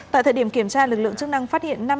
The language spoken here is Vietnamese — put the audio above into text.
tại thời điểm kiểm tra lực lượng chức năng phát hiện